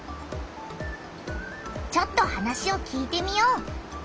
ちょっと話を聞いてみよう！